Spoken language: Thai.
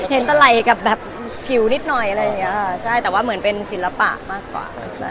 เห็นตะไรกับผิวนิดน้อยแต่เป็นศิลปร์มากกว่า